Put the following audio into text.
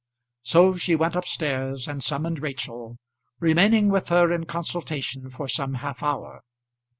So she went up stairs and summoned Rachel, remaining with her in consultation for some half hour.